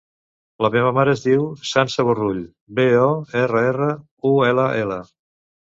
La meva mare es diu Sança Borrull: be, o, erra, erra, u, ela, ela.